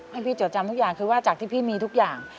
ให้พี่จดจำทุกอย่างคือว่าจากที่พี่มีทุกอย่าง